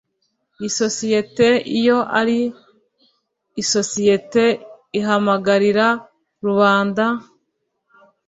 isosiyete iyo ari isosiyete ihamagarira rubanda